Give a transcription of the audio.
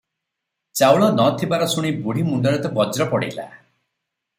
ଚାଉଳ ନ ଥିବାର ଶୁଣି ବୁଢ଼ୀ ମୁଣ୍ଡରେ ତ ବଜ୍ର ପଡ଼ିଲା ।